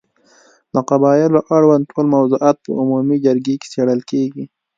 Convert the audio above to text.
د قبایلو اړوند ټول موضوعات په عمومي جرګې کې څېړل کېږي.